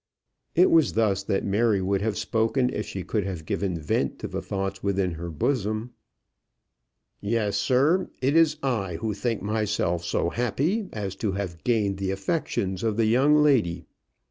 It was thus that Mary would have spoken if she could have given vent to the thoughts within her bosom. "Yes, sir. It is I who think myself so happy as to have gained the affections of the young lady.